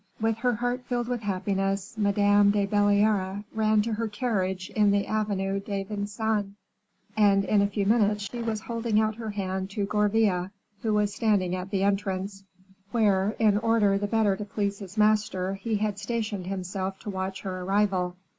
With her heart filled with happiness Madame de Belliere ran to her carriage in the Avenue de Vincennes, and in a few minutes she was holding out her hand to Gourville, who was standing at the entrance, where, in order the better to please his master, he had stationed himself to watch her arrival.